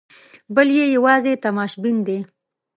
بل یې یوازې تماشبین دی.